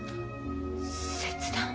切断！？